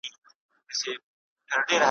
نن به زما جنازه اخلي سبا ستا په وینو سور دی `